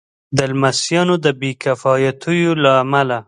د لمسیانو د بې کفایتیو له امله.